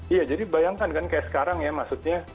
iya jadi bayangkan kan kayak sekarang ya maksudnya